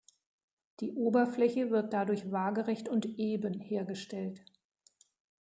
Die Oberfläche wird dadurch waagerecht und eben hergestellt.